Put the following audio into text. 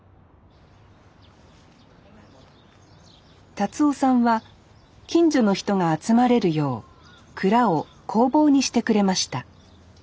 達男さんは近所の人が集まれるよう蔵を工房にしてくれました